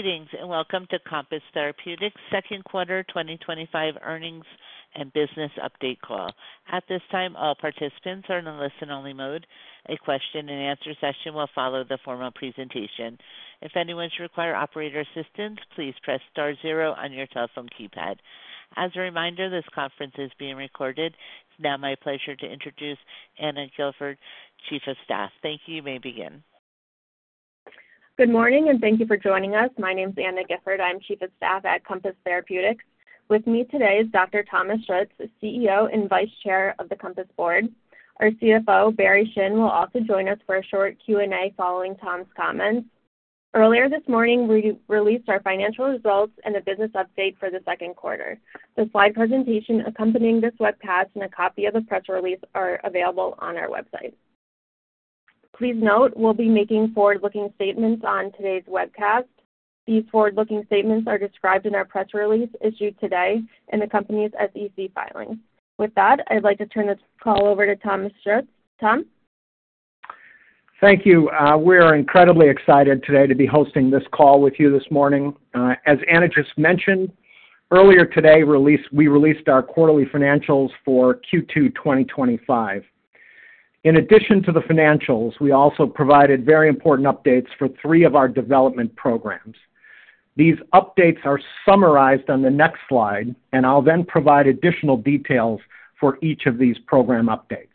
Greetings and welcome to Compass Therapeutics' Second Quarter 2025 Earnings and Business Update Call. At this time, all participants are in a listen-only mode. A question and answer session will follow the formal presentation. If anyone should require operator assistance, please press star zero on your telephone keypad. As a reminder, this conference is being recorded. It's now my pleasure to introduce Anna Gifford, Chief of Staff. Thank you. You may begin. Good morning and thank you for joining us. My name's Anna Gifford. I'm Chief of Staff at Compass Therapeutics. With me today is Dr. Thomas Schuetz, the CEO and Vice Chair of the Compass Board. Our CFO, Barry Shin, will also join us for a short Q&A following Tom's comments. Earlier this morning, we released our financial results and a business update for the second quarter. The slide presentation accompanying this webcast and a copy of the press release are available on our website. Please note, we'll be making forward-looking statements on today's webcast. These forward-looking statements are described in our press release issued today and accompany SEC filings. With that, I'd like to turn this call over to Thomas Schuetz. Tom? Thank you. We are incredibly excited today to be hosting this call with you this morning. As Anna just mentioned, earlier today, we released our quarterly financials for Q2 2025. In addition to the financials, we also provided very important updates for three of our development programs. These updates are summarized on the next slide, and I'll then provide additional details for each of these program updates.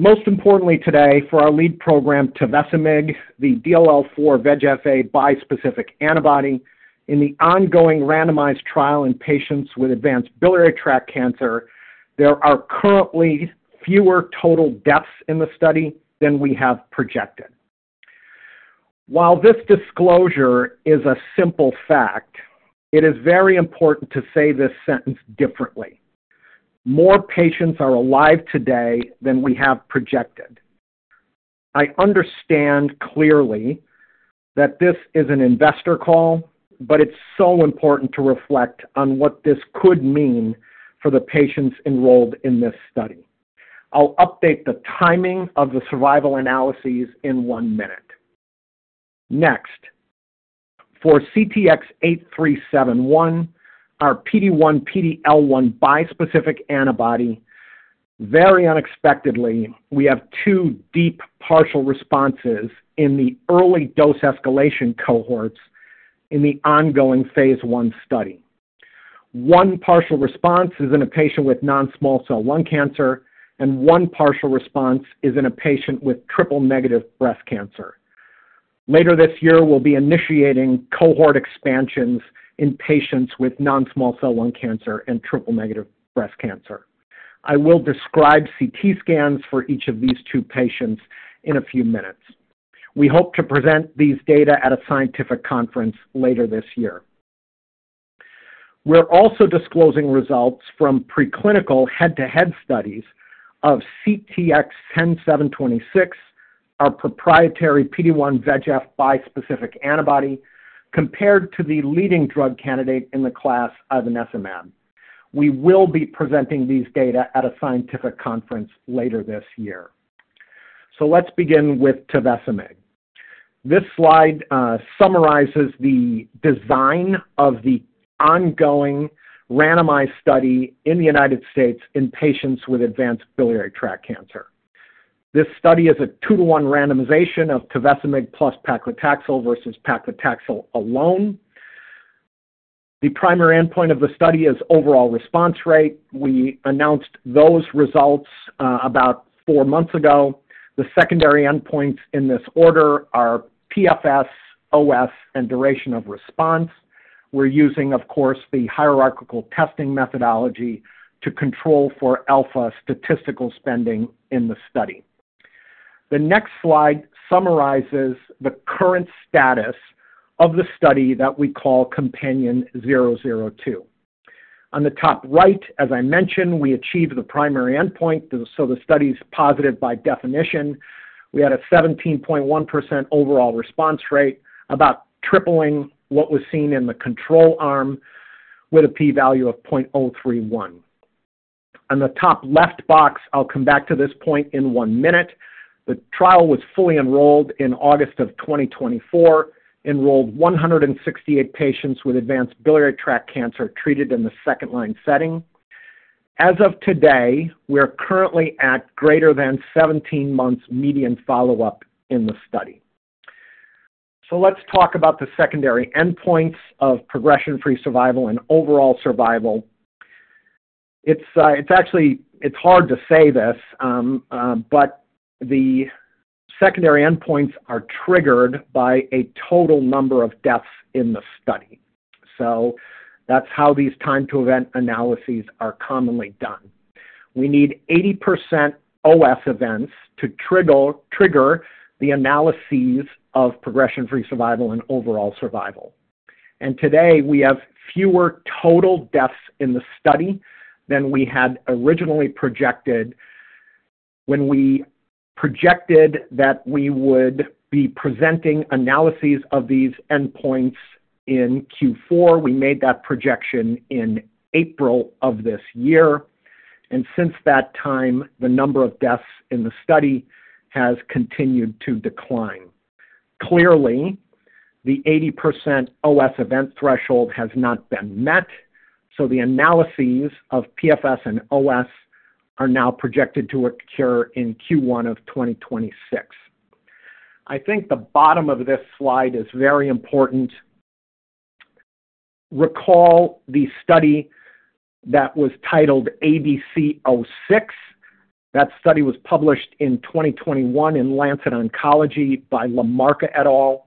Most importantly, today, for our lead program, tovecimig, the DLL4/VEGFA bispecific antibody, in the ongoing randomized trial in patients with advanced biliary tract cancer, there are currently fewer total deaths in the study than we have projected. While this disclosure is a simple fact, it is very important to say this sentence differently. More patients are alive today than we have projected. I understand clearly that this is an investor call, but it's so important to reflect on what this could mean for the patients enrolled in this study. I'll update the timing of the survival analyses in one minute. Next, for CTX-8371, our PD-1/PD-L1 bispecific antibody, very unexpectedly, we have two deep partial responses in the early dose escalation cohorts in the ongoing phase I study. One partial response is in a patient with non-small cell lung cancer, and one partial response is in a patient with triple negative breast cancer. Later this year, we'll be initiating cohort expansions in patients with non-small cell lung cancer and triple negative breast cancer. I will describe CT scans for each of these two patients in a few minutes. We hope to present these data at a scientific conference later this year. We're also disclosing results from preclinical head-to-head studies of CTX-10726, our proprietary PD-1/VEGF bispecific antibody, compared to the leading drug candidate in the class ivonescimab. We will be presenting these data at a scientific conference later this year. Let's begin with tovecimig. This slide summarizes the design of the ongoing randomized study in the United States in patients with advanced biliary tract cancer. This study is a two-to-one randomization of tovecimig plus paclitaxel versus paclitaxel alone. The primary endpoint of the study is overall response rate. We announced those results about four months ago. The secondary endpoints in this order are PFS, OS, and duration of response. We're using, of course, the hierarchical testing methodology to control for alpha statistical spending in the study. The next slide summarizes the current status of the study that we call COMPANION-002. On the top right, as I mentioned, we achieved the primary endpoint, so the study's positive by definition. We had a 17.1% overall response rate, about tripling what was seen in the control arm with a p-value of 0.031. On the top left box, I'll come back to this point in one minute. The trial was fully enrolled in August of 2024, enrolled 168 patients with advanced biliary tract cancer treated in the second-line setting. As of today, we are currently at greater than 17 months median follow-up in the study. Let's talk about the secondary endpoints of progression-free survival and overall survival. It's actually, it's hard to say this, but the secondary endpoints are triggered by a total number of deaths in the study. That's how these time-to-event analyses are commonly done. We need 80% OS events to trigger the analyses of progression-free survival and overall survival. Today, we have fewer total deaths in the study than we had originally projected. When we projected that we would be presenting analyses of these endpoints in Q4, we made that projection in April of this year. Since that time, the number of deaths in the study has continued to decline. Clearly, the 80% OS event threshold has not been met, so the analyses of PFS and OS are now projected to occur in Q1 of 2026. I think the bottom of this slide is very important. Recall the study that was titled ABC-06. That study was published in 2021 in Lancet Oncology by Lamarca, et al.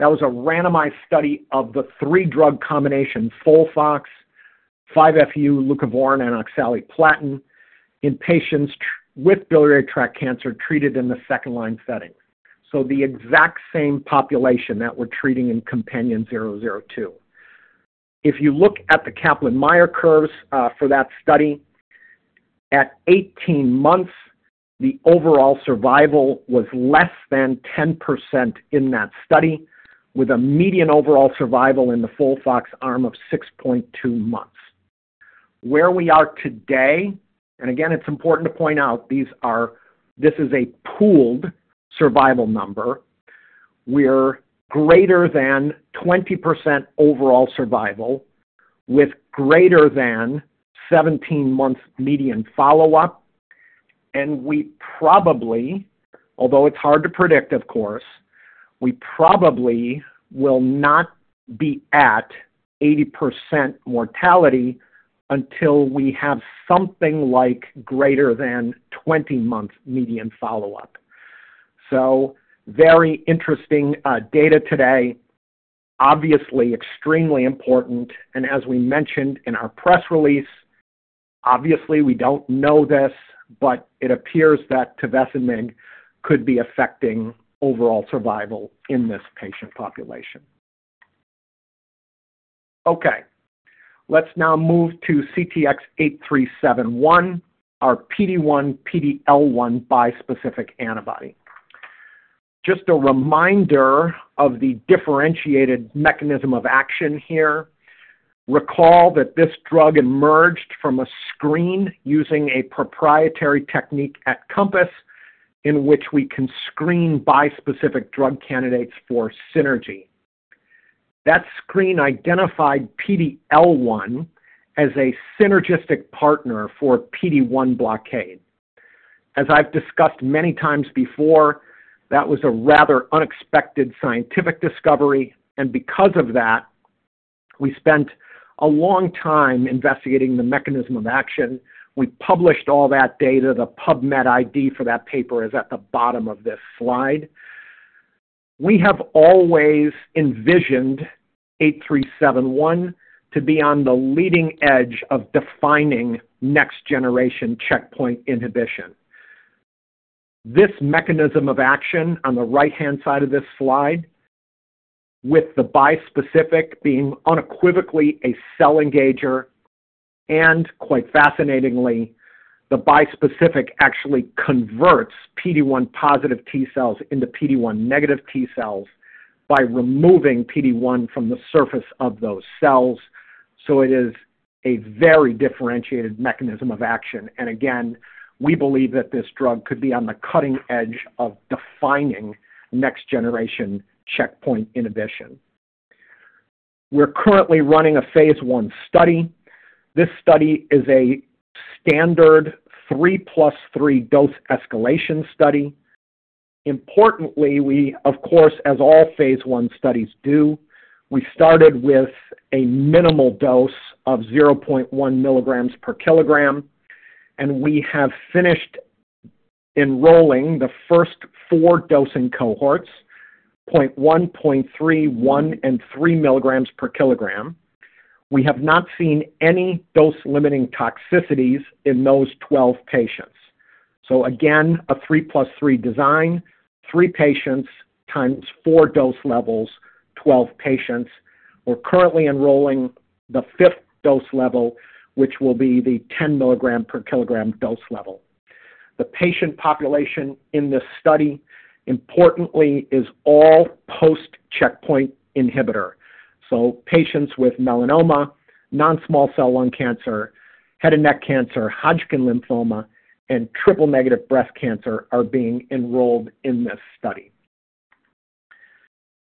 That was a randomized study of the three drug combinations: FOLFOX, 5-FU, leucovorin, and oxaliplatin in patients with biliary tract cancer treated in the second-line setting. The exact same population that we're treating in COMPANION-002. If you look at the Kaplan-Meier curves for that study, at 18 months, the overall survival was less than 10% in that study, with a median overall survival in the FOLFOX arm of 6.2 months. Where we are today, and again, it's important to point out, this is a pooled survival number. We're greater than 20% overall survival with greater than 17 months median follow-up. We probably, although it's hard to predict, of course, we probably will not be at 80% mortality until we have something like greater than 20 months median follow-up. Very interesting data today. Obviously, extremely important. As we mentioned in our press release, obviously, we don't know this, but it appears that tovecimig could be affecting overall survival in this patient population. Let's now move to CTX-8371, our PD-1/PD-L1 bispecific antibody. Just a reminder of the differentiated mechanism of action here. Recall that this drug emerged from a screen using a proprietary technique at Compass in which we can screen bispecific drug candidates for synergy. That screen identified PD-L1 as a synergistic partner for PD-1 blockade. As I've discussed many times before, that was a rather unexpected scientific discovery. Because of that, we spent a long time investigating the mechanism of action. We published all that data. The PubMed ID for that paper is at the bottom of this slide. We have always envisioned 8371 to be on the leading edge of defining next-generation checkpoint inhibition. This mechanism of action on the right-hand side of this slide, with the bispecific being unequivocally a cell engager, and quite fascinatingly, the bispecific actually converts PD-1 positive T cells into PD-1 negative T cells by removing PD-1 from the surface of those cells. It is a very differentiated mechanism of action. Again, we believe that this drug could be on the cutting edge of defining next-generation checkpoint inhibition. We're currently running a phase I study. This study is a standard 3 + 3 dose escalation study. Importantly, we, of course, as all phase I studies do, started with a minimal dose of 0.1 mg/kg, and we have finished enrolling the first four dosing cohorts: 0.1 mg, 0.3 mg, 1 mg, and 3 mg/kg. We have not seen any dose-limiting toxicities in those 12 patients. Again, a 3 + 3 design: three patients times four dose levels, 12 patients. We're currently enrolling the fifth dose level, which will be the 10 mg/kg dose level. The patient population in this study, importantly, is all post-checkpoint inhibitor. Patients with melanoma, non-small cell lung cancer, head and neck cancer, Hodgkin lymphoma, and triple negative breast cancer are being enrolled in this study.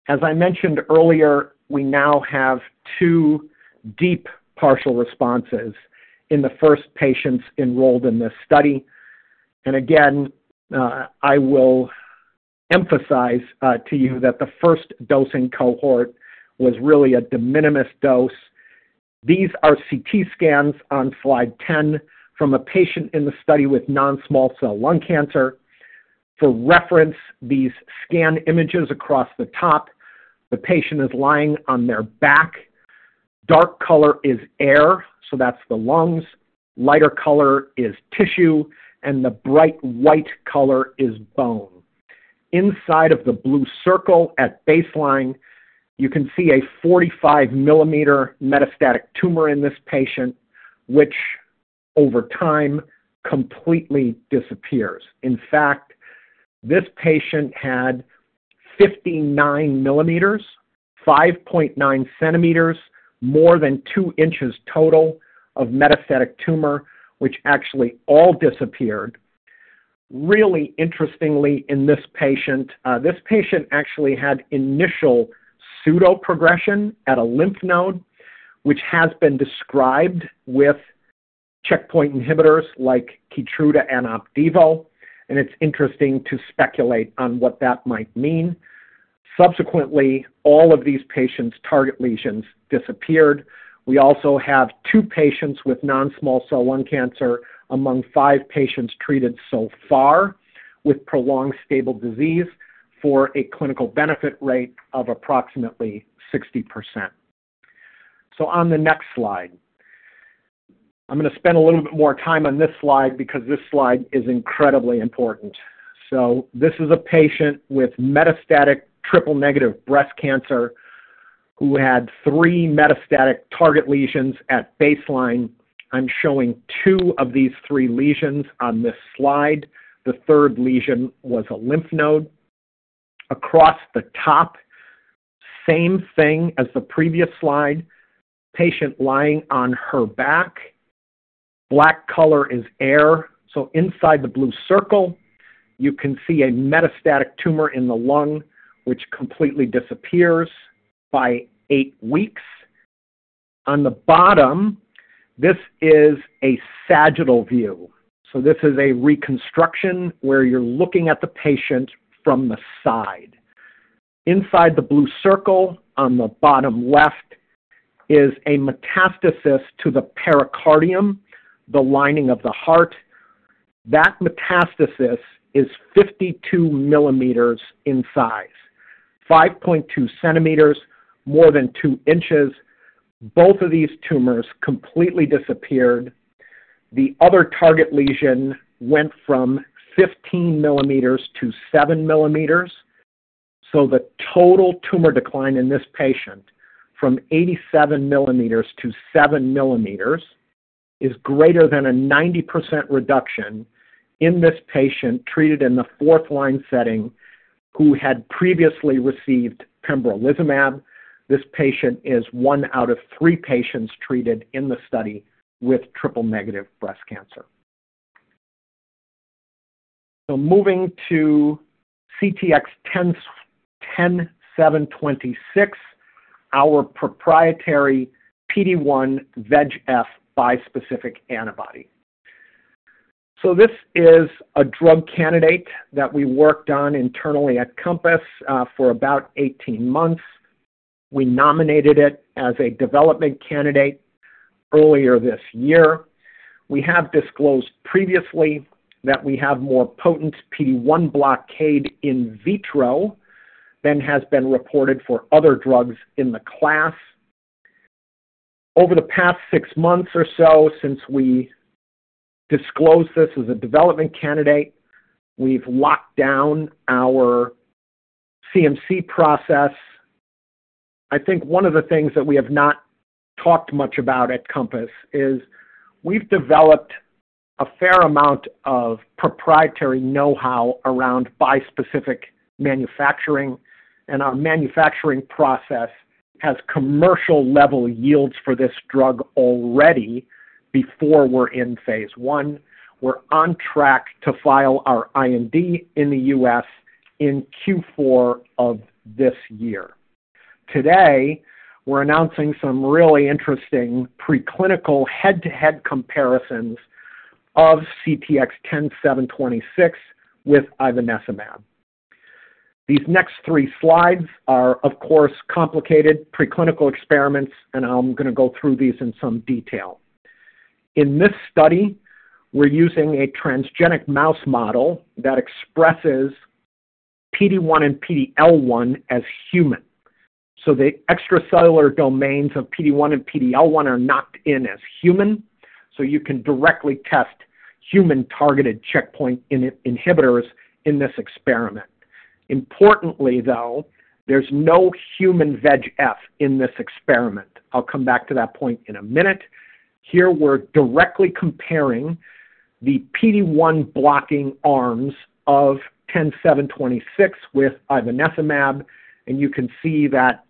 As I mentioned earlier, we now have two deep partial responses in the first patients enrolled in this study. I will emphasize to you that the first dosing cohort was really a de minimis dose. These are CT scans on slide 10 from a patient in the study with non-small cell lung cancer. For reference, these scan images across the top, the patient is lying on their back. Dark color is air, so that's the lungs. Lighter color is tissue, and the bright white color is bone. Inside of the blue circle at baseline, you can see a 45 mm metastatic tumor in this patient, which over time completely disappears. In fact, this patient had 59 mm, 5.9 cm, more than 2 in total of metastatic tumor, which actually all disappeared. Really interestingly, in this patient, this patient actually had initial pseudo-progression at a lymph node, which has been described with checkpoint inhibitors like Keytruda and Opdivo. It's interesting to speculate on what that might mean. Subsequently, all of these patients' target lesions disappeared. We also have two patients with non-small cell lung cancer among five patients treated so far with prolonged stable disease for a clinical benefit rate of approximately 60%. On the next slide, I'm going to spend a little bit more time on this slide because this slide is incredibly important. This is a patient with metastatic triple negative breast cancer who had three metastatic target lesions at baseline. I'm showing two of these three lesions on this slide. The third lesion was a lymph node. Across the top, same thing as the previous slide, patient lying on her back. Black color is air. Inside the blue circle, you can see a metastatic tumor in the lung, which completely disappears by eight weeks. On the bottom, this is a sagittal view. This is a reconstruction where you're looking at the patient from the side. Inside the blue circle on the bottom left is a metastasis to the pericardium, the lining of the heart. That metastasis is 52 mm in size, 5.2 cm, more than 2 in. Both of these tumors completely disappeared. The other target lesion went from 15 mm to 7 mm. The total tumor decline in this patient from 87 mm to 7 mm is greater than a 90% reduction in this patient treated in the fourth-line setting who had previously received pembrolizumab. This patient is one out of three patients treated in the study with triple negative breast cancer. Moving to CTX-10726, our proprietary PD-1/VEGF bispecific antibody. This is a drug candidate that we worked on internally at Compass for about 18 months. We nominated it as a development candidate earlier this year. We have disclosed previously that we have more potent PD-1 blockade in vitro than has been reported for other drugs in the class. Over the past six months or so since we disclosed this as a development candidate, we've locked down our CMC process. I think one of the things that we have not talked much about at Compass is we've developed a fair amount of proprietary know-how around bispecific manufacturing, and our manufacturing process has commercial-level yields for this drug already before we're in phase I. We're on track to file our IND in the U.S. in Q4 of this year. Today, we're announcing some really interesting preclinical head-to-head comparisons of CTX-10726 with ivonescimab. These next three slides are, of course, complicated preclinical experiments, and I'm going to go through these in some detail. In this study, we're using a transgenic mouse model that expresses PD-1 and PD-L1 as human. The extracellular domains of PD-1 and PD-L1 are knocked in as human, so you can directly test human-targeted checkpoint inhibitors in this experiment. Importantly, though, there's no human VEGF in this experiment. I'll come back to that point in a minute. Here, we're directly comparing the PD-1 blocking arms of 10726 with ivonescimab, and you can see that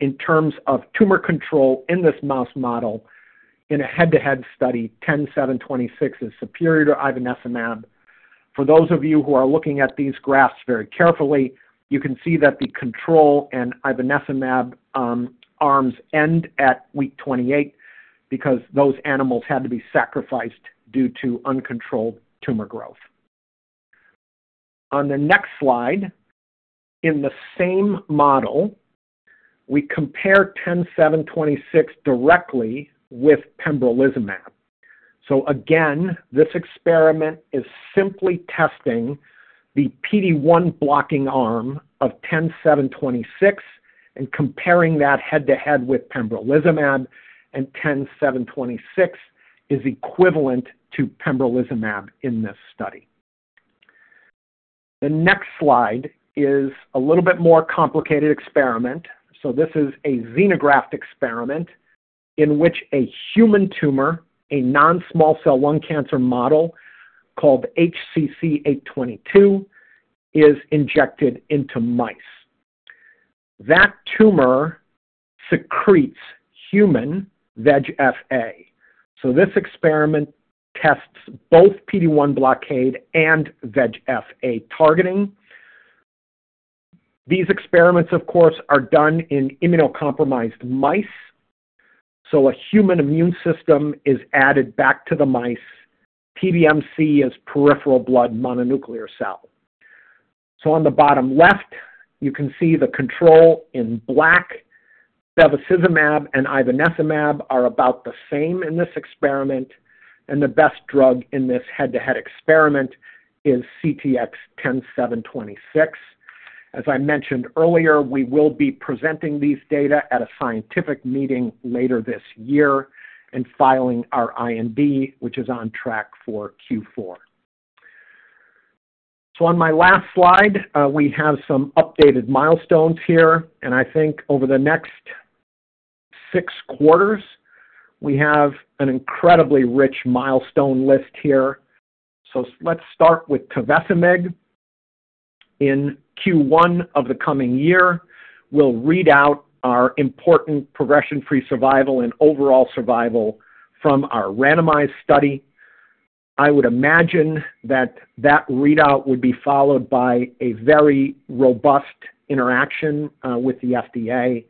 in terms of tumor control in this mouse model, in a head-to-head study, 10726 is superior to ivonescimab. For those of you who are looking at these graphs very carefully, you can see that the control and ivonescimab arms end at week 28 because those animals had to be sacrificed due to uncontrolled tumor growth. On the next slide, in the same model, we compare 10726 directly with pembrolizumab. Again, this experiment is simply testing the PD-1 blocking arm of 10726 and comparing that head-to-head with pembrolizumab, and 10726 is equivalent to pembrolizumab in this study. The next slide is a little bit more complicated experiment. This is a xenograft experiment in which a human tumor, a non-small cell lung cancer model called HCC-822, is injected into mice. That tumor secretes human VEGFA. This experiment tests both PD-1 blockade and VEGFA targeting. These experiments, of course, are done in immunocompromised mice. A human immune system is added back to the mice. PBMC is peripheral blood mononuclear cell. On the bottom left, you can see the control in black. Bevacizumab and ivonescimab are about the same in this experiment, and the best drug in this head-to-head experiment is CTX-10726. As I mentioned earlier, we will be presenting these data at a scientific meeting later this year and filing our IND, which is on track for Q4. On my last slide, we have some updated milestones here, and I think over the next six quarters, we have an incredibly rich milestone list here. Let's start with tovecimig. In Q1 of the coming year, we'll read out our important progression-free survival and overall survival from our randomized study. I would imagine that that readout would be followed by a very robust interaction with the FDA,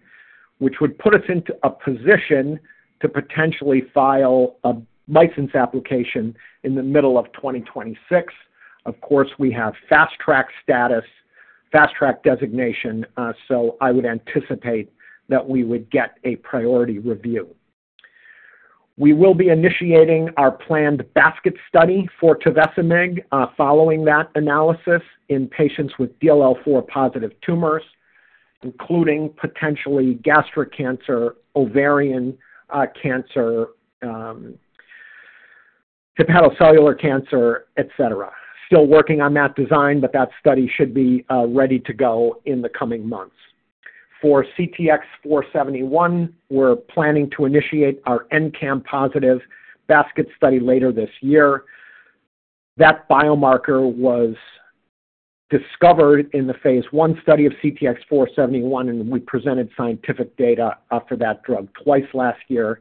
which would put us into a position to potentially file a license application in the middle of 2026. Of course, we have fast track status, fast track designation, so I would anticipate that we would get a priority review. We will be initiating our planned basket study for tovecimig following that analysis in patients with DLL4 positive tumors, including potentially gastric cancer, ovarian cancer, hepatocellular cancer, etc. Still working on that design, but that study should be ready to go in the coming months. For CTX-471, we're planning to initiate our NCAM-positive basket study later this year. That biomarker was discovered in the phase I study of CTX-471, and we presented scientific data for that drug twice last year.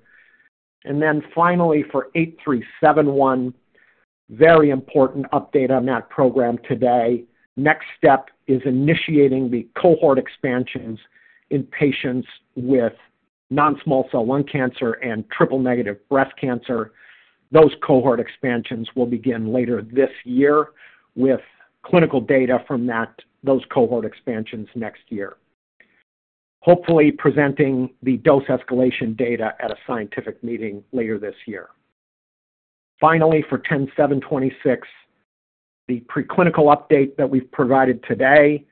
For CTX-8371, very important update on that program today. Next step is initiating the cohort expansions in patients with non-small cell lung cancer and triple negative breast cancer. Those cohort expansions will begin later this year with clinical data from those cohort expansions next year. Hopefully, presenting the dose escalation data at a scientific meeting later this year. For 10726, the preclinical update that we've provided today,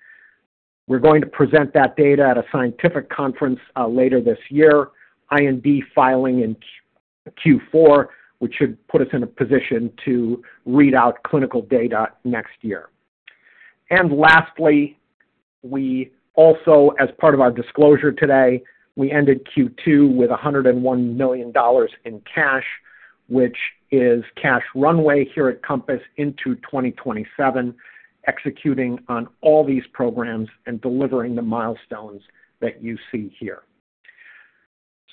we're going to present that data at a scientific conference later this year, IND filing in Q4, which should put us in a position to read out clinical data next year. We also, as part of our disclosure today, ended Q2 with $101 million in cash, which is cash runway here at Compass into 2027, executing on all these programs and delivering the milestones that you see here.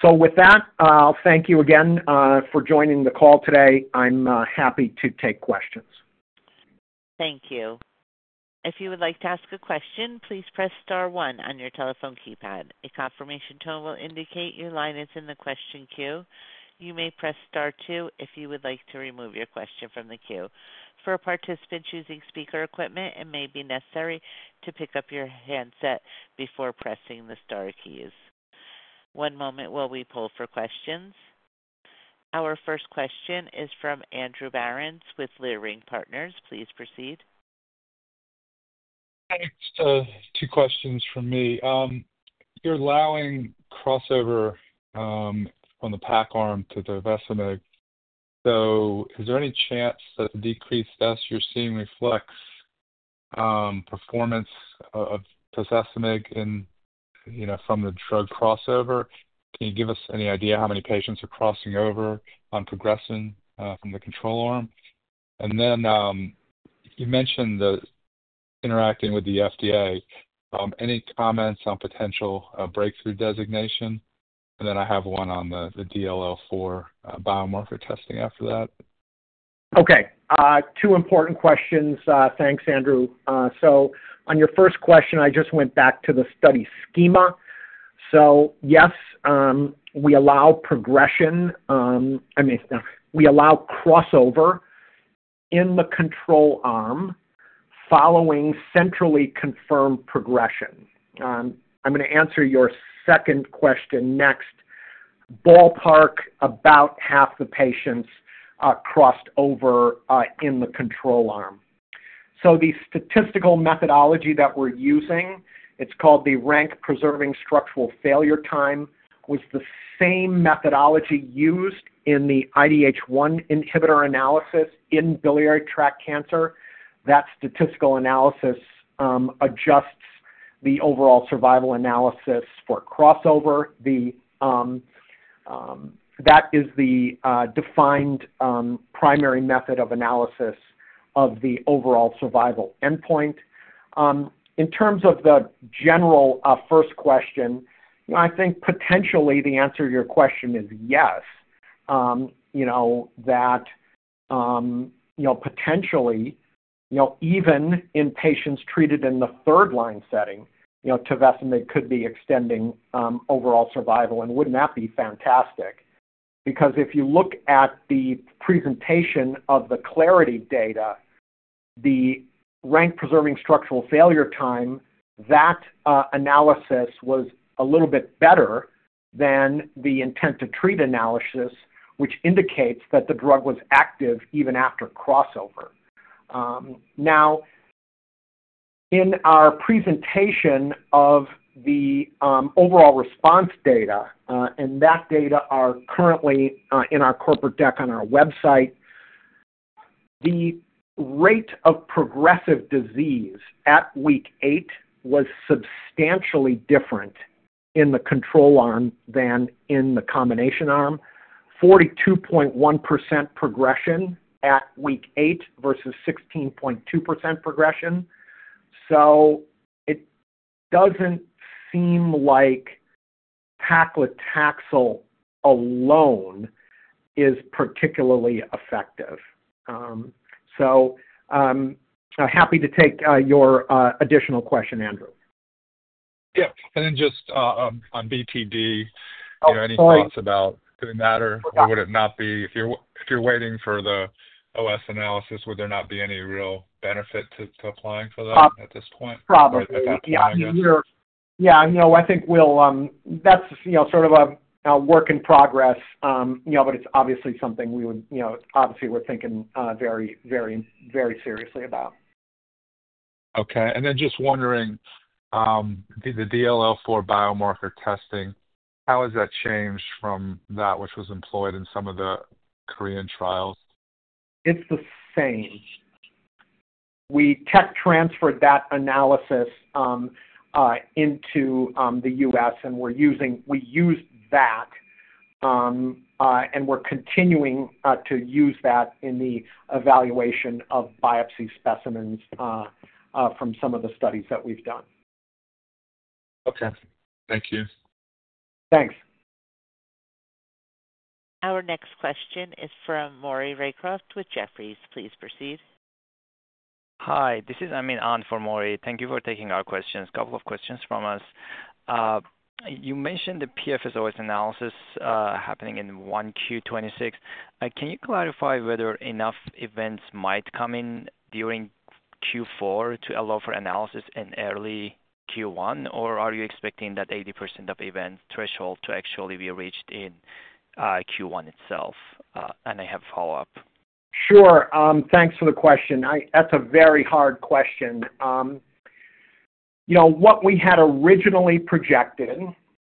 With that, I'll thank you again for joining the call today. I'm happy to take questions. Thank you. If you would like to ask a question, please press star one on your telephone keypad. A confirmation tone will indicate your line is in the question queue. You may press star two if you would like to remove your question from the queue. For participants using speaker equipment, it may be necessary to pick up your handset before pressing the star keys. One moment while we pull for questions. Our first question is from Andrew Berens with Leerink Partners. Please proceed. Thanks. Two questions from me. You're allowing crossover on the pac arm to tovecimig. Is there any chance that the decreased deaths you're seeing reflects performance of tovecimig from the drug crossover? Can you give us any idea how many patients are crossing over on progression from the control arm? You mentioned interacting with the FDA. Any comments on potential breakthrough designation? I have one on the DLL4 biomarker testing after that. Okay. Two important questions. Thanks, Andrew. On your first question, I just went back to the study schema. Yes, we allow progression. I mean, we allow crossover in the control arm following centrally confirmed progression. I'm going to answer your second question next. Ballpark, about half the patients crossed over in the control arm. The statistical methodology that we're using, it's called the rank-preserving structural failure time, was the same methodology used in the IDH-1 inhibitor analysis in biliary tract cancer. That statistical analysis adjusts the overall survival analysis for crossover. That is the defined primary method of analysis of the overall survival endpoint. In terms of the general first question, I think potentially the answer to your question is yes. You know that potentially, even in patients treated in the third-line setting, tovecimig could be extending overall survival. Wouldn't that be fantastic? If you look at the presentation of the clarity data, the rank-preserving structural failure time, that analysis was a little bit better than the intent-to-treat analysis, which indicates that the drug was active even after crossover. In our presentation of the overall response data, and that data are currently in our corporate deck on our website, the rate of progressive disease at week eight was substantially different in the control arm than in the combination arm. 42.1% progression at week eight versus 16.2% progression. It doesn't seem like paclitaxel alone is particularly effective. I'm happy to take your additional question, Andrew. Yeah. On BTD, any thoughts about doing that, or would it not be if you're waiting for the OS analysis, would there not be any real benefit to applying for that at this point? Yeah. I think that's sort of a work in progress, you know, but it's obviously something we would, you know, obviously, we're thinking very, very, very seriously about. Okay. Just wondering, the DLL4 biomarker testing, how has that changed from that which was employed in some of the Korean trials? It's the same. We tech transferred that analysis into the U.S., and we used that, and we're continuing to use that in the evaluation of biopsy specimens from some of the studies that we've done. Okay, thank you. Thanks. Our next question is from Maury Raycroft with Jefferies. Please proceed. Hi. This is Amin M. for Maury. Thank you for taking our questions. A couple of questions from us. You mentioned the PFSO analysis happening in 1Q 2026. Can you clarify whether enough events might come in during Q4 to allow for analysis in early Q1, or are you expecting that 80% of event threshold to actually be reached in Q1 itself? I have a follow-up. Sure. Thanks for the question. That's a very hard question. You know, what we had originally projected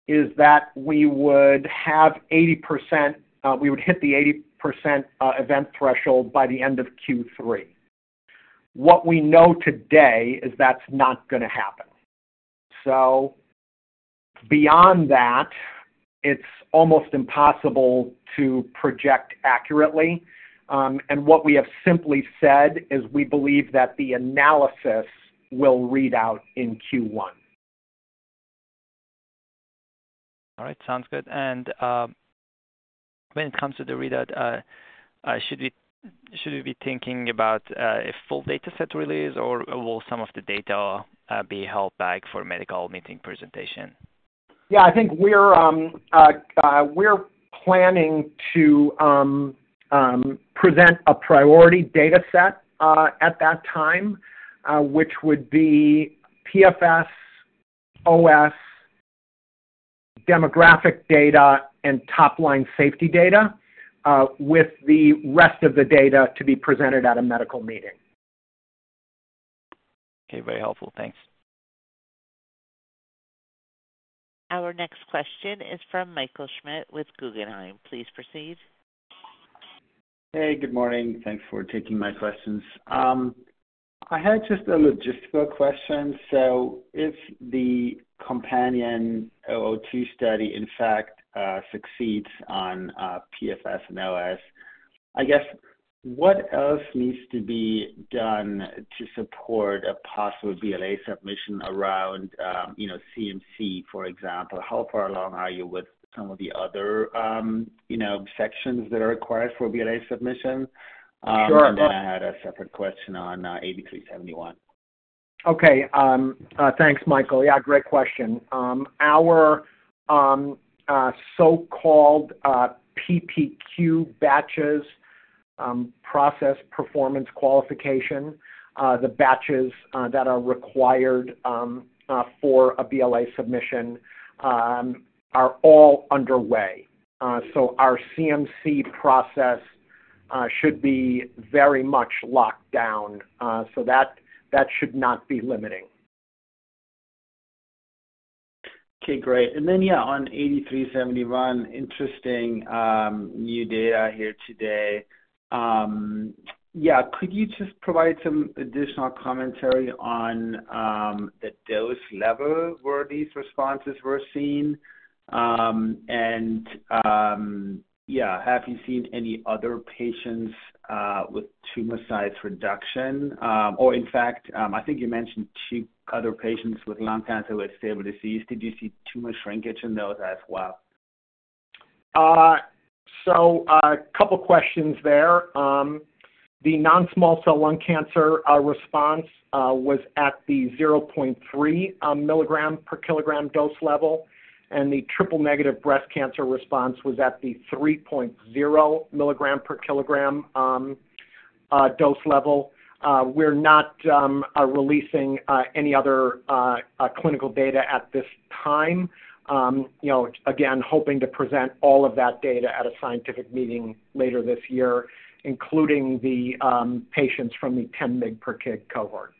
is that we would have 80%, we would hit the 80% event threshold by the end of Q3. What we know today is that's not going to happen. Beyond that, it's almost impossible to project accurately. What we have simply said is we believe that the analysis will read out in Q1. All right. Sounds good. When it comes to the readout, should we be thinking about a full dataset release, or will some of the data be held back for medical meeting presentation? Yeah. I think we're planning to present a priority dataset at that time, which would be PFS, OS, demographic data, and top-line safety data, with the rest of the data to be presented at a medical meeting. Okay. Very helpful. Thanks. Our next question is from Michael Schmidt with Guggenheim. Please proceed. Hey, good morning. Thanks for taking my questions. I had just a logistical question. If the COMPANION-002 Study, in fact, succeeds on PFS and OS, I guess what else needs to be done to support a possible BLA submission around, you know, CMC, for example? How far along are you with some of the other, you know, sections that are required for BLA submission? Sure. I had a separate question on 8371. Okay. Thanks, Michael. Great question. Our so-called PPQ batches, process performance qualification, the batches that are required for a BLA submission are all underway. Our CMC process should be very much locked down. That should not be limiting. Great. On 8371, interesting new data here today. Could you just provide some additional commentary on the dose level where these responses were seen? Have you seen any other patients with tumor size reduction? I think you mentioned two other patients with lung cancer with stable disease. Did you see tumor shrinkage in those as well? A couple of questions there. The non-small cell lung cancer response was at the 0.3 mg/kg dose level, and the triple negative breast cancer response was at the 3.0 mg/kg dose level. We're not releasing any other clinical data at this time. Again, hoping to present all of that data at a scientific meeting later this year, including the patients from the 10 mg/kg cohort.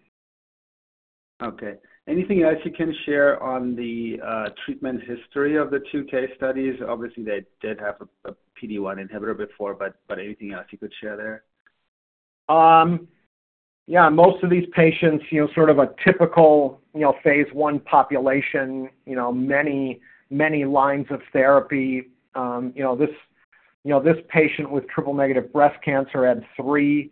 Okay. Anything else you can share on the treatment history of the two case studies? Obviously, they did have a PD-1 inhibitor before, but anything else you could share there? Yeah. Most of these patients, you know, sort of a typical, you know, phase I population, many, many lines of therapy. You know, this patient with triple negative breast cancer had three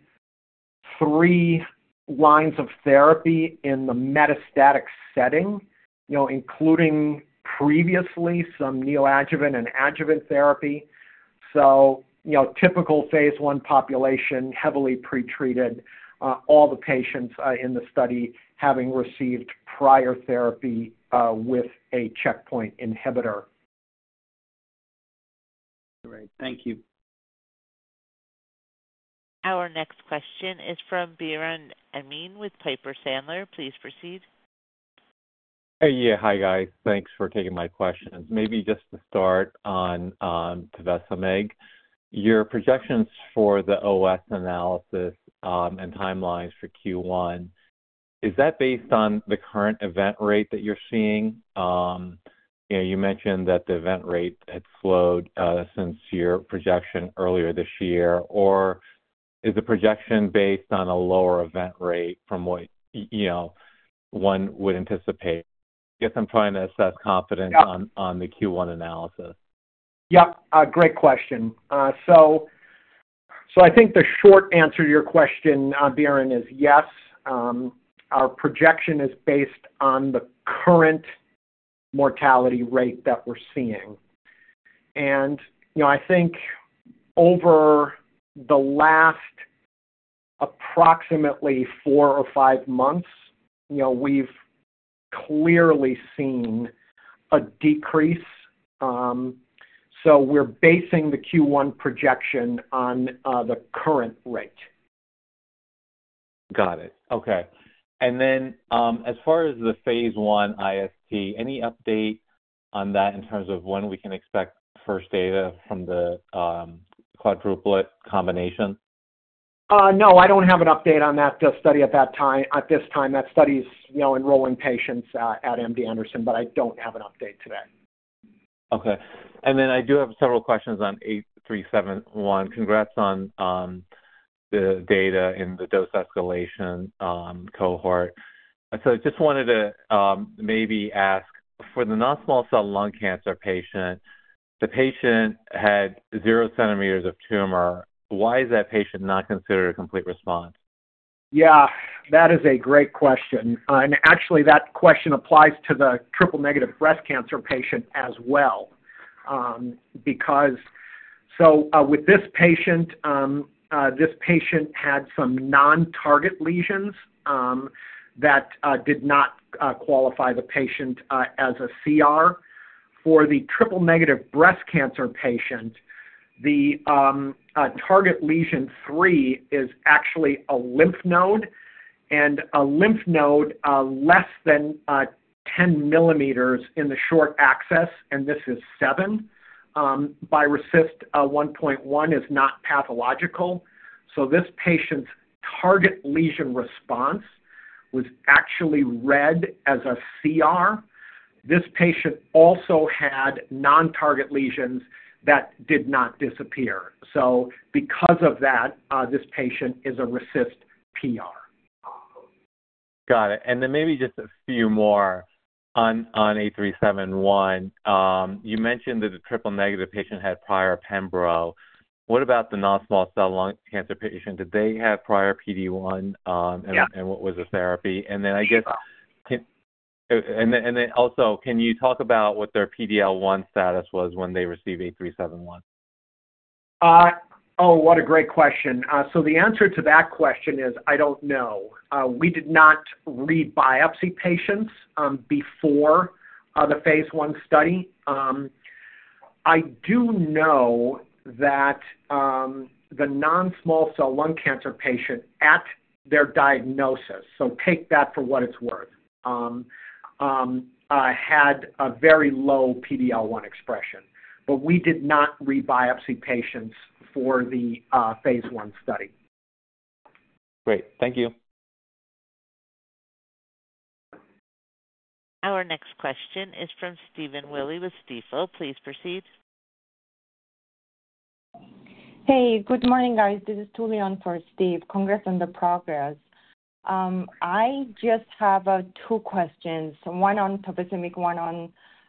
lines of therapy in the metastatic setting, including previously some neoadjuvant and adjuvant therapy. Typical phase I population, heavily pretreated, all the patients in the study having received prior therapy with a checkpoint inhibitor. Great. Thank you. Our next question is from Biren Amin with Piper Sandler. Please proceed. Hi, guys. Thanks for taking my questions. Maybe just to start on tovecimig, your projections for the OS analysis and timelines for Q1, is that based on the current event rate that you're seeing? You mentioned that the event rate had slowed since your projection earlier this year, or is the projection based on a lower event rate from what you would anticipate? I guess I'm trying to assess confidence on the Q1 analysis. Great question. I think the short answer to your question, Biren, is yes. Our projection is based on the current mortality rate that we're seeing. I think over the last approximately four or five months, we've clearly seen a decrease. We're basing the Q1 projection on the current rate. Got it. Okay. As far as the phase I ISP, any update on that in terms of when we can expect first data from the quadruplet combination? No, I don't have an update on that study at this time. That study is enrolling patients at MD Anderson, but I don't have an update to that. Okay. I do have several questions on 8371. Congrats on the data in the dose escalation cohort. I just wanted to maybe ask, for the non-small cell lung cancer patient, the patient had 0 cm of tumor. Why is that patient not considered a complete response? Yeah. That is a great question. Actually, that question applies to the triple negative breast cancer patient as well. With this patient, this patient had some non-target lesions that did not qualify the patient as a CR. For the triple negative breast cancer patient, the target lesion three is actually a lymph node, and a lymph node less than 10 mm in the short axis, and this is seven. By RECIST 1.1, it's not pathological. This patient's target lesion response was actually read as a CR. This patient also had non-target lesions that did not disappear. Because of that, this patient is a RECIST PR. Got it. Maybe just a few more on 8371. You mentioned that the triple negative patient had prior pembro. What about the non-small cell lung cancer patient? Did they have prior PD-1, and what was the therapy? Can you talk about what their PD-L1 status was when they received 8371? What a great question. The answer to that question is I don't know. We did not re-biopsy patients before the phase I study. I do know that the non-small cell lung cancer patient at their diagnosis, so take that for what it's worth, had a very low PD-L1 expression. We did not re-biopsy patients for the phase I study. Great. Thank you. Our next question is from Stephen Willey with Stifel. Please proceed. Hey, good morning, guys. This is Tuli for Steve, congrats on the progress. I just have two questions, one on tovecimig, one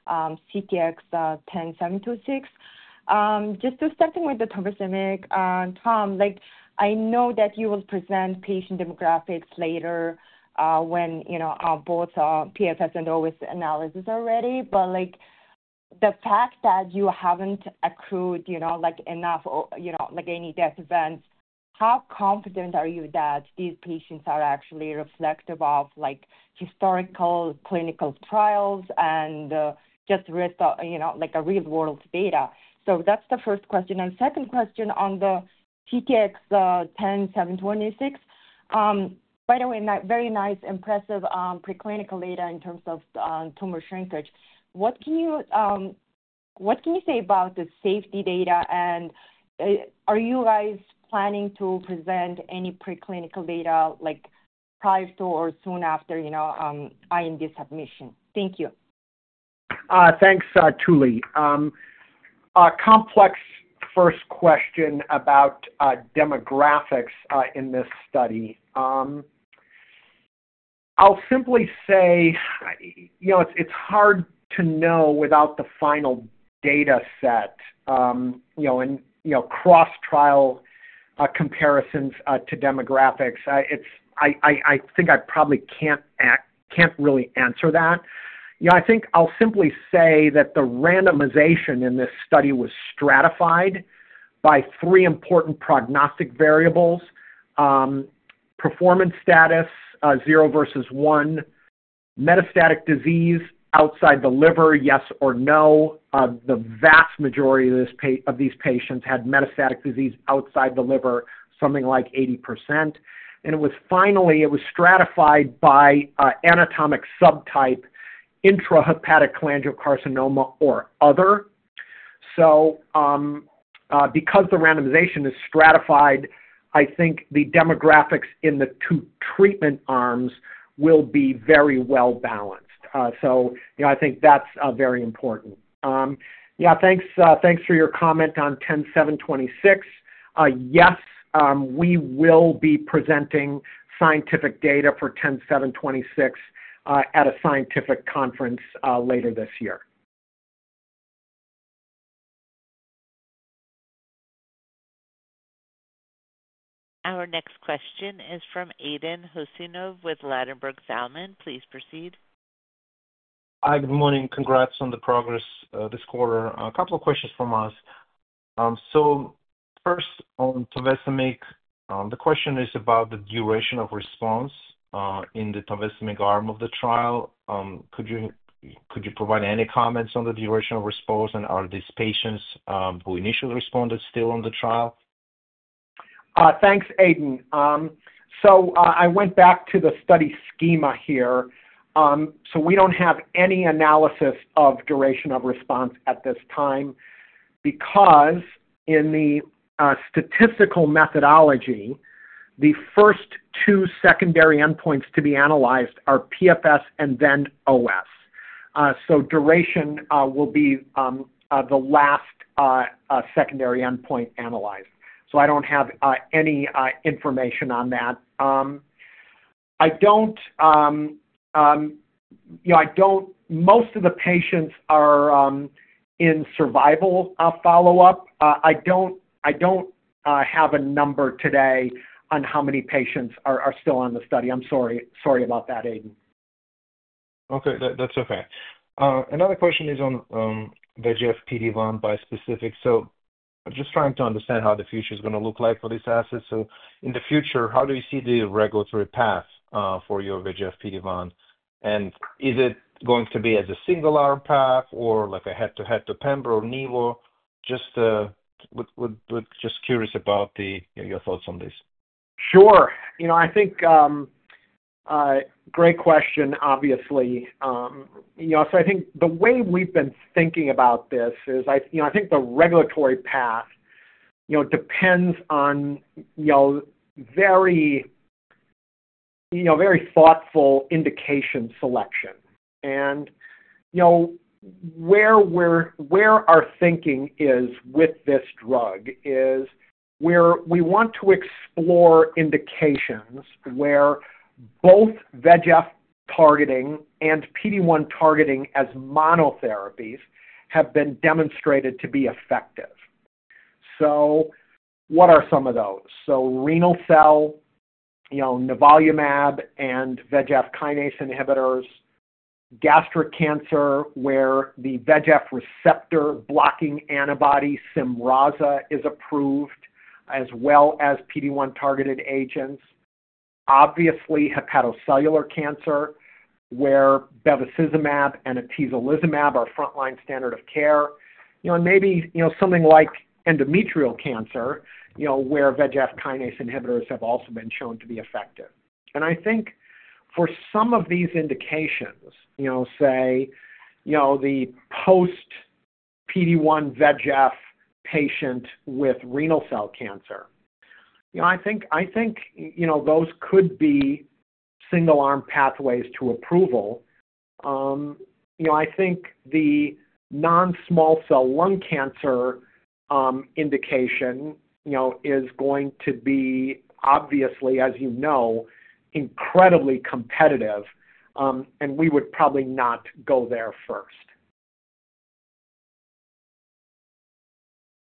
on CTX-10726. To start things with the tovecimig, Tom, I know that you will present patient demographics later when you know both PFS and OS analysis are ready. The fact that you haven't accrued enough, like any death events, how confident are you that these patients are actually reflective of historical clinical trials and just real-world data? That's the first question. The second question on the CTX-10726, by the way, very nice, impressive preclinical data in terms of tumor shrinkage. What can you say about the safety data? Are you guys planning to present any preclinical data prior to or soon after IND submission? Thank you. Thanks, Tuli. Complex first question about demographics in this study. I'll simply say it's hard to know without the final dataset. Cross-trial comparisons to demographics, I think I probably can't really answer that. I'll simply say that the randomization in this study was stratified by three important prognostic variables: performance status, zero versus one, metastatic disease outside the liver, yes or no. The vast majority of these patients had metastatic disease outside the liver, something like 80%. It was finally stratified by anatomic subtype, intrahepatic cholangiocarcinoma or other. Because the randomization is stratified, I think the demographics in the two treatment arms will be very well balanced. I think that's very important. Thanks for your comment on 10726. Yes, we will be presenting scientific data for 10726 at a scientific conference later this year. Our next question is from Aydin Huseynov with Ladenburg Thalmann. Please proceed. Good morning. Congrats on the progress this quarter. A couple of questions from us. First, on tovecimig, the question is about the duration of response in the tovecimig arm of the trial. Could you provide any comments on the duration of response, and are these patients who initially responded still on the trial? Thanks, Aydin. I went back to the study schema here. We don't have any analysis of duration of response at this time because in the statistical methodology, the first two secondary endpoints to be analyzed are PFS and then OS. Duration will be the last secondary endpoint analyzed. I don't have any information on that. Most of the patients are in survival follow-up. I don't have a number today on how many patients are still on the study. I'm sorry about that, Aydin. Okay. That's okay. Another question is on VEGF/PD-1 bispecific. I'm just trying to understand how the future is going to look like for this asset. In the future, how do you see the regulatory path for your VEGF/PD-1? Is it going to be as a single R path or like a head-to-head to pembro, nivo? Just curious about your thoughts on this. Sure. I think great question, obviously. I think the way we've been thinking about this is, I think the regulatory path depends on very thoughtful indication selection. Where our thinking is with this drug is where we want to explore indications where both VEGF targeting and PD-1 targeting as monotherapies have been demonstrated to be effective. What are some of those? Renal cell, nivolumab and VEGF kinase inhibitors, gastric cancer where the VEGF receptor-blocking antibody, Cyramza, is approved, as well as PD-1 targeted agents. Obviously, hepatocellular cancer where bevacizumab and atezolizumab are frontline standard of care, and maybe something like endometrial cancer where VEGF kinase inhibitors have also been shown to be effective. I think for some of these indications, say, the post-PD-1/VEGF patient with renal cell cancer, I think those could be single-arm pathways to approval. I think the non-small cell lung cancer indication is going to be, obviously, as you know, incredibly competitive. We would probably not go there first.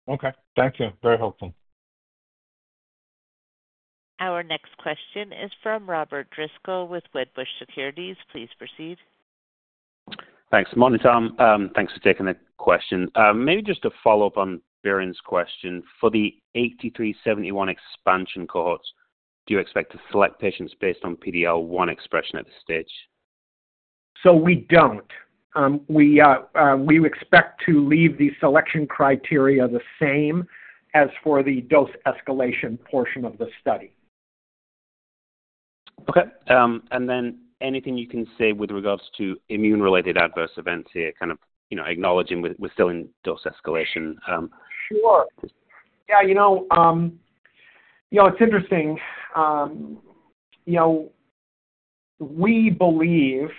Okay. Thank you. Very helpful. Our next question is from Robert Driscoll with Wedbush Securities. Please proceed. Thanks. Good morning, Tom. Thanks for taking the question. Maybe just a follow-up on Biren's question. For the 8371 expansion cohorts, do you expect to select patients based on PD-L1 expression at this stage? We expect to leave the selection criteria the same as for the dose escalation portion of the study. Okay. Anything you can say with regards to immune-related adverse events here, kind of, you know, acknowledging we're still in dose escalation? Sure. Yeah. It's interesting. We believe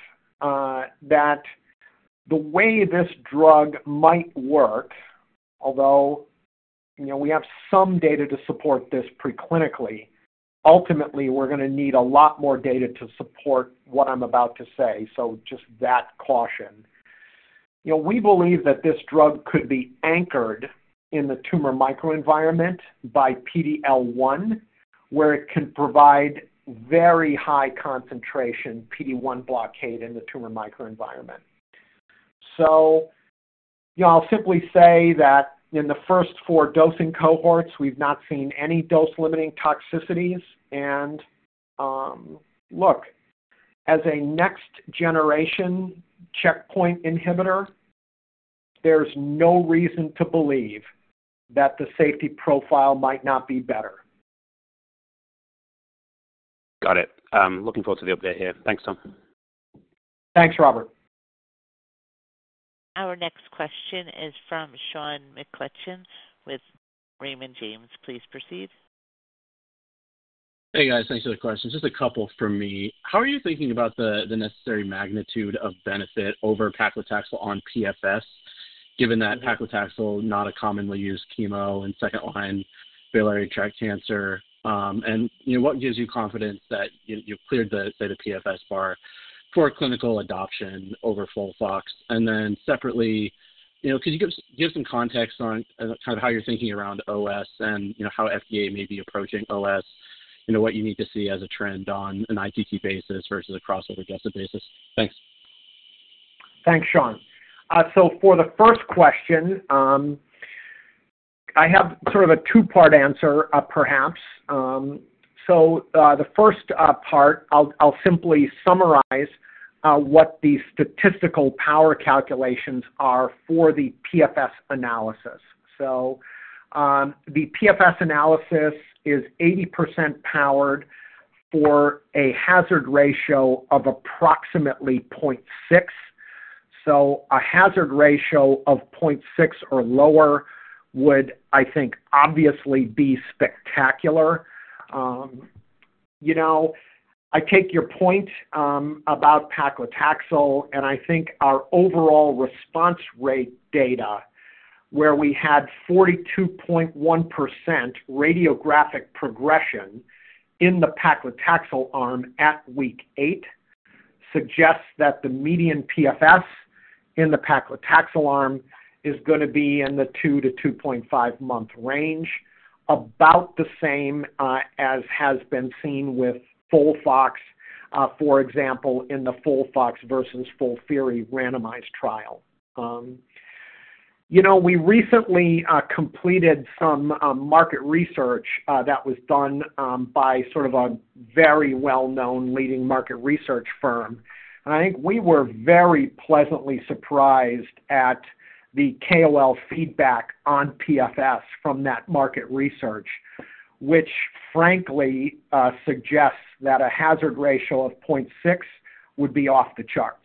that the way this drug might work, although we have some data to support this preclinically, ultimately, we're going to need a lot more data to support what I'm about to say. Just that caution. We believe that this drug could be anchored in the tumor microenvironment by PD-L1, where it can provide very high concentration PD-1 blockade in the tumor microenvironment. I'll simply say that in the first four dosing cohorts, we've not seen any dose-limiting toxicities. As a next-generation checkpoint inhibitor, there's no reason to believe that the safety profile might not be better. Got it. Looking forward to the update here. Thanks, Tom. Thanks, Robert. Our next question is from Sean McCutcheon with Raymond James. Please proceed. Hey, guys. Thanks for the question. Just a couple for me. How are you thinking about the necessary magnitude of benefit over paclitaxel on PFS, given that paclitaxel, not a commonly used chemo in second-line biliary tract cancer? What gives you confidence that you've cleared the PFS bar for clinical adoption over FOLFOX? Separately, could you give some context on how you're thinking around OS and how FDA may be approaching OS, what you need to see as a trend on an IPT basis versus a crossover against the basis? Thanks. Thanks, Sean. For the first question, I have sort of a two-part answer, perhaps. The first part, I'll simply summarize what the statistical power calculations are for the PFS analysis. The PFS analysis is 80% powered for a hazard ratio of approximately 0.6. A hazard ratio of 0.6 or lower would, I think, obviously be spectacular. I take your point about paclitaxel, and I think our overall response rate data, where we had 42.1% radiographic progression in the paclitaxel arm at week eight, suggests that the median PFS in the paclitaxel arm is going to be in the 2-2.5 month range, about the same as has been seen with FOLFOX, for example, in the FOLFOX versus FOLFIRI randomized trial. We recently completed some market research that was done by a very well-known leading market research firm. I think we were very pleasantly surprised at the KOL feedback on PFS from that market research, which frankly suggests that a hazard ratio of 0.6 would be off the charts.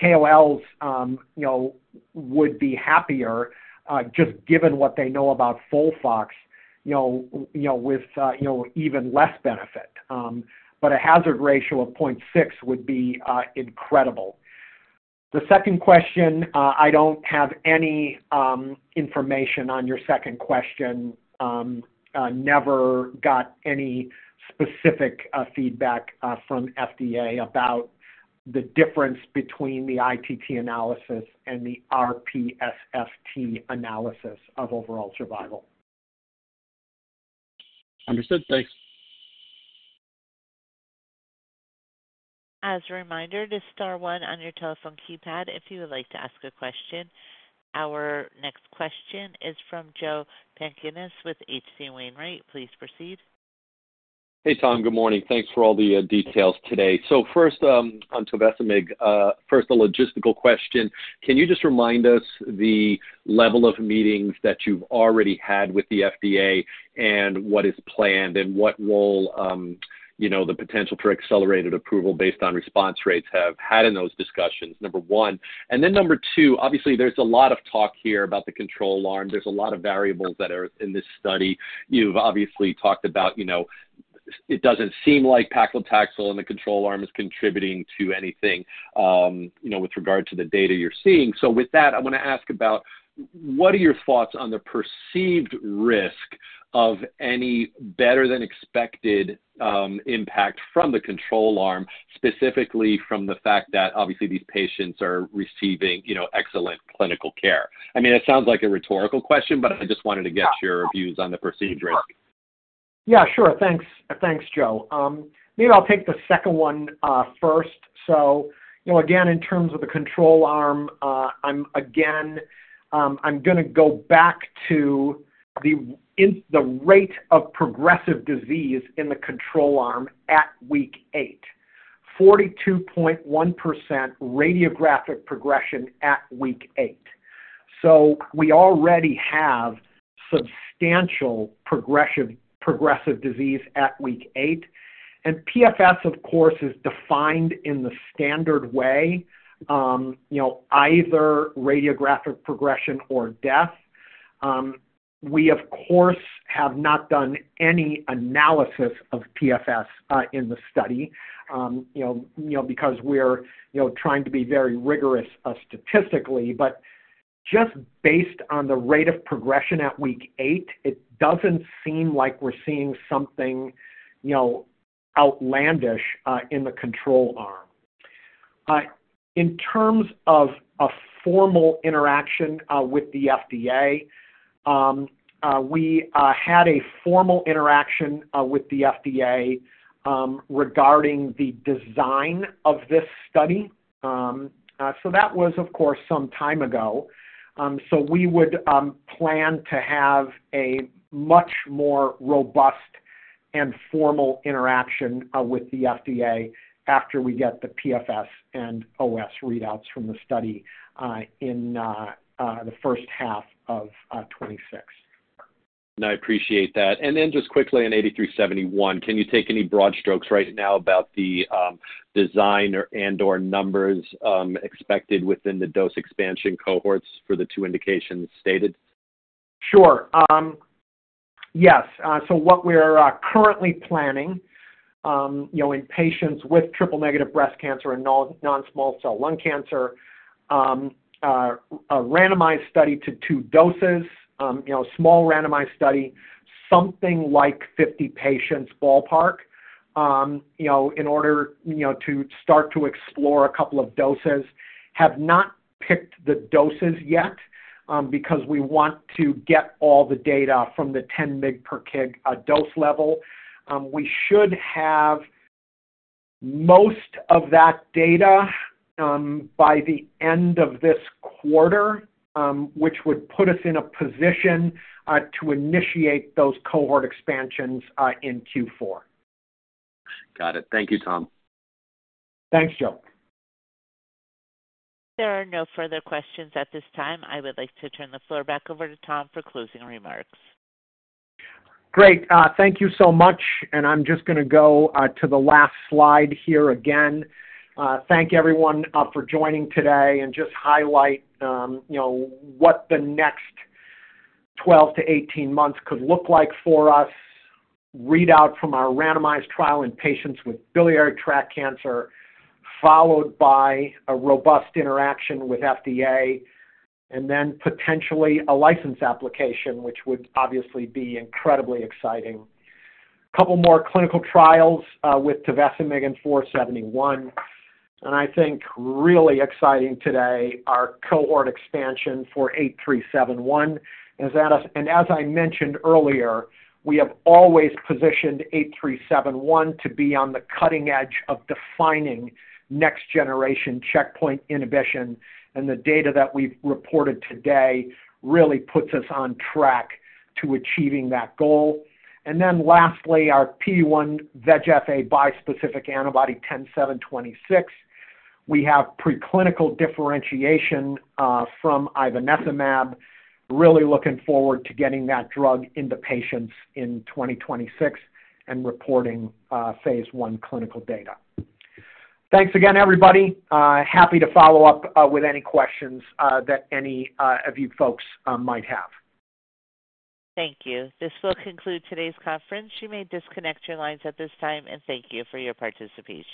KOLs would be happier just given what they know about FOLFOX, with even less benefit. A hazard ratio of 0.6 would be incredible. The second question, I don't have any information on your second question. Never got any specific feedback from FDA about the difference between the IPT analysis and the RPSFT analysis of overall survival. Understood. Thanks. As a reminder, just star one on your telephone keypad if you would like to ask a question. Our next question is from Joe Pantginis with H.C. Wainwright. Please proceed. Hey, Tom. Good morning. Thanks for all the details today. First, on tovecimig, a logistical question. Can you just remind us the level of meetings that you've already had with the FDA and what is planned and what role, you know, the potential for accelerated approval based on response rates have had in those discussions? Number one. Number two, obviously, there's a lot of talk here about the control arm. There are a lot of variables that are in this study. You've obviously talked about, you know, it doesn't seem like paclitaxel in the control arm is contributing to anything, you know, with regard to the data you're seeing. With that, I want to ask about what are your thoughts on the perceived risk of any better-than-expected impact from the control arm, specifically from the fact that obviously these patients are receiving, you know, excellent clinical care? It sounds like a rhetorical question, but I just wanted to get your views on the perceived risk. Yeah, sure. Thanks. Thanks, Joe. Maybe I'll take the second one first. In terms of the control arm, I'm going to go back to the rate of progressive disease in the control arm at week eight. 42.1% radiographic progression at week eight. We already have substantial progressive disease at week eight. PFS, of course, is defined in the standard way, either radiographic progression or death. We, of course, have not done any analysis of PFS in the study because we're trying to be very rigorous statistically. Just based on the rate of progression at week eight, it doesn't seem like we're seeing something outlandish in the control arm. In terms of a formal interaction with the FDA, we had a formal interaction with the FDA regarding the design of this study. That was, of course, some time ago. We would plan to have a much more robust and formal interaction with the FDA after we get the PFS and OS readouts from the study in the first half of 2026. No, I appreciate that. Just quickly, on 8371, can you take any broad strokes right now about the design and/or numbers expected within the dose expansion cohorts for the two indications stated? Sure. Yes. What we're currently planning in patients with triple negative breast cancer and non-small cell lung cancer is a randomized study to two doses, a small randomized study, something like 50 patients ballpark, in order to start to explore a couple of doses. Have not picked the doses yet because we want to get all the data from the 10 mg/kg dose level. We should have most of that data by the end of this quarter, which would put us in a position to initiate those cohort expansions in Q4. Got it. Thank you, Tom. Thanks, Joe. There are no further questions at this time. I would like to turn the floor back over to Tom for closing remarks. Great. Thank you so much. I'm just going to go to the last slide here again. Thank you, everyone, for joining today and just highlight what the next 12-18 months could look like for us. Readout from our randomized trial in patients with biliary tract cancer, followed by a robust interaction with the FDA, and then potentially a license application, which would obviously be incredibly exciting. A couple more clinical trials with tovecimig and 471. I think really exciting today, our cohort expansion for 8371 is at us. As I mentioned earlier, we have always positioned 8371 to be on the cutting edge of defining next-generation checkpoint inhibition. The data that we've reported today really puts us on track to achieving that goal. Lastly, our PD-1/VEGF-A bispecific antibody 10726. We have preclinical differentiation from ivonescimab, really looking forward to getting that drug into patients in 2026 and reporting phase I clinical data. Thanks again, everybody. Happy to follow up with any questions that any of you folks might have. Thank you. This will conclude today's conference. You may disconnect your lines at this time, and thank you for your participation.